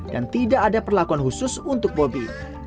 dan tidak ada perlakuan khusus untuk bobi